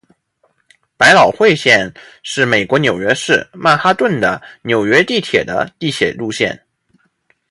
百老汇线是美国纽约市曼哈顿的纽约地铁的地铁路线。